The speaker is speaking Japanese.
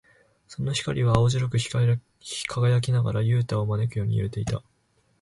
その光は青白く輝きながら、ユウタを招くように揺れていた。